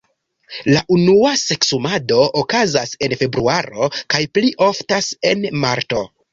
La unua seksumado okazas en februaro kaj pli oftas en marto.